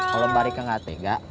kalau mbak rika nggak tega